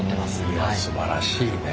いやすばらしいね。